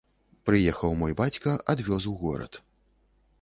Прыехаў мой бацька, адвёз у горад.